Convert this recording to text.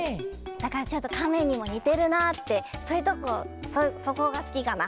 だからちょっとカメにもにてるなってそういうとこそこがすきかな。